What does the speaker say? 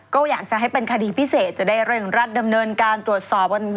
ก็อยากจะให้เป็นคดีพิเศษจะได้เร่งรัดดำเนินการตรวจสอบ